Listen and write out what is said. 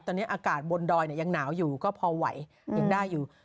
ตอนนี้อากาศบนดอยยังหนาวอยู่ก็พอไหวยังได้อยู่